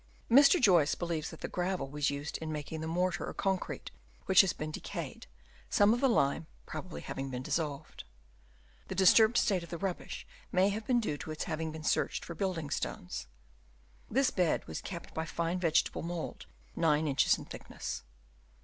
Mr. Joyce believes that the gravel was used in making the mortar or concrete, which has since decayed, some of the lime probably having been dissolved. The disturbed state of the rubbish may have been due to its having been searched for building stones. This bed was capped by fine vegetable mould, 9 inches in thickness.